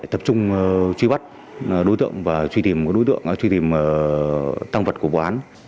tập trung truy bắt đối tượng và truy tìm đối tượng truy tìm tăng vật của vụ án